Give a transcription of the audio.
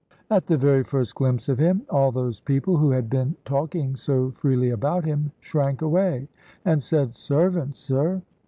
At the very first glimpse of him, all those people who had been talking so freely about him shrank away, and said, "Servant, sir!"